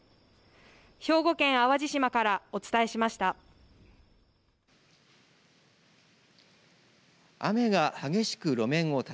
兵庫県淡路島からお伝えしました。